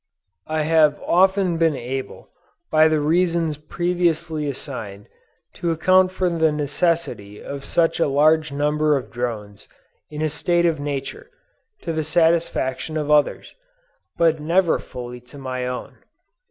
I have often been able, by the reasons previously assigned, to account for the necessity of such a large number of drones in a state of nature, to the satisfaction of others, but never fully to my own.